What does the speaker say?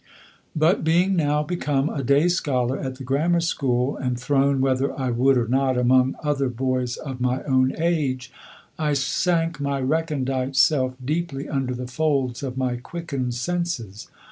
But being now become a day scholar at the Grammar School, and thrown whether I would or not among other boys of my own age, I sank my recondite self deeply under the folds of my quickened senses.